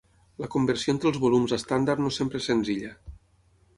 La conversió entre els volums estàndard no sempre és senzilla.